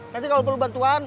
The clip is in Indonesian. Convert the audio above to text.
nanti kalau perlu bantuan